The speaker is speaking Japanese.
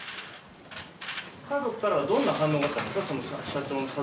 ご家族からはどんな反応があったんですか？